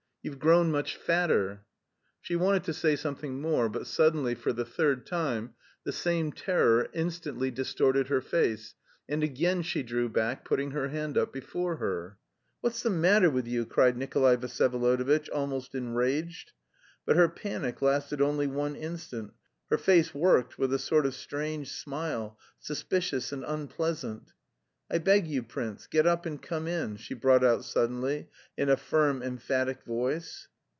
"You've grown much fatter." She wanted to say something more, but suddenly, for the third time, the same terror instantly distorted her face, and again she drew back, putting her hand up before her. "What's the matter with you?" cried Nikolay Vsyevolodovitch, almost enraged. But her panic lasted only one instant, her face worked with a sort of strange smile, suspicious and unpleasant. "I beg you, prince, get up and come in," she brought out suddenly, in a firm, emphatic voice.